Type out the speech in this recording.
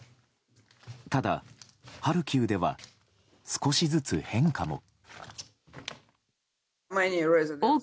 ただ、ハルキウでは少しずつ変化も。